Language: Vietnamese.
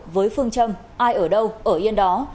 với phương châm ai ở đâu ở yên đó